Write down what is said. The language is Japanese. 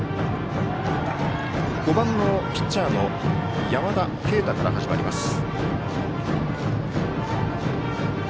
５番のピッチャー、山田渓太から始まります。